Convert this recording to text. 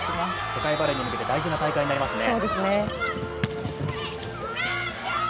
世界バレーに向けて大事な大会になりますね。